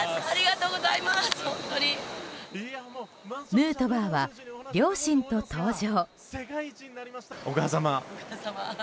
ヌートバーは両親と登場。